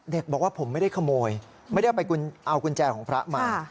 บอกว่าผมไม่ได้ขโมยไม่ได้เอาไปเอากุญแจของพระมา